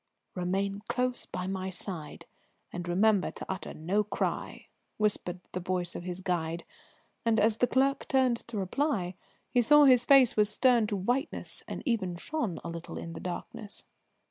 "Remain close by my side, and remember to utter no cry," whispered the voice of his guide, and as the clerk turned to reply he saw his face was stern to whiteness and even shone a little in the darkness.